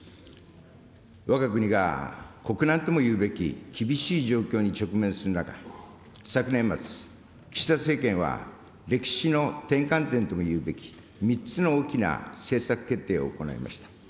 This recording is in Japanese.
わが国が国難ともいうべき厳しい状況に直面する中、昨年末、岸田政権は歴史の転換点ともいうべき３つの大きな政策決定を行いました。